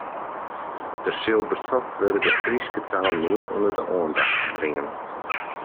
Der sil besocht wurde de Fryske taal mear ûnder de oandacht te bringen.